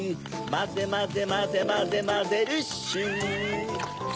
まぜまぜまぜまぜまぜるっシュ！